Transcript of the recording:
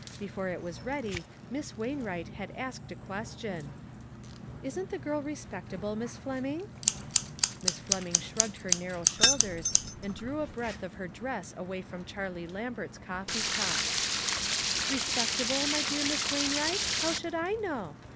Before it was ready, Miss Wainwright had asked a ques tion : "Isn't the girl respectable, Miss Flem ing?" Miss Fleming shrugged her narrow shoul ders, and drew a breadth of her dress away from Charlie Lambert's coffee cup. " Respectable, my dear Miss Wainwright, how should I know?